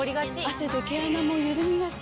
汗で毛穴もゆるみがち。